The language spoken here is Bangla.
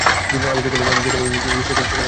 আমি যেখানে খুশি সেখানে যেতে পারি, নার্স।